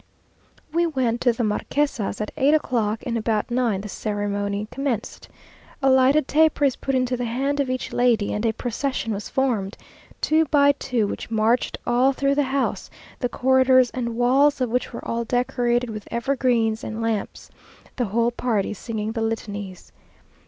We went to the Marquesa's at eight o'clock, and about nine the ceremony commenced. A lighted taper is put into the hand of each lady, and a procession was formed, two by two, which marched all through the house, the corridors and walls of which were all decorated with evergreens and lamps, the whole party singing the Litanies.